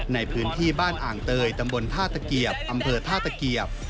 ในพื้นที่บ้านอ่างเตยตำบลท่าตะเกียบอำเภอท่าตะเกียบ